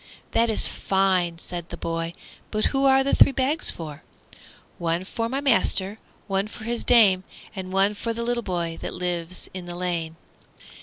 "That is fine!" said the boy; "but who are the three bags for?" "One for my master, one for his dame, And one for the little boy that lives in the lane."